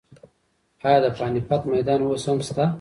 ایا د پاني پت میدان اوس هم شته؟